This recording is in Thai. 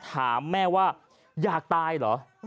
ถามแม่ว่าอยากตายเหรอ